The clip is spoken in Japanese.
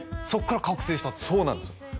そっから覚醒したってそうなんですよ